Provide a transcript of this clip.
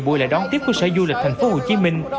bùi lại đón tiếp khu sở du lịch thành phố hồ chí minh